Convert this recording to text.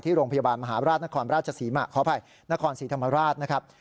ที่โรงพยาบาลมหาราชนครราชสีธรรมราชนะครับ